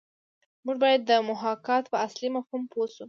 موږ باید د محاکات په اصلي مفهوم پوه شو